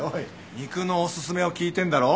肉のお薦めを聞いてんだろ。